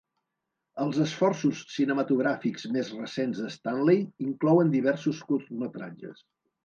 Els esforços cinematogràfics més recents de Stanley inclouen diversos curtmetratges.